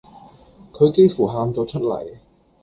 佢幾乎喊咗出嚟